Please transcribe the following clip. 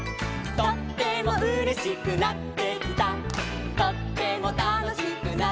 「とってもたのしくなってきた」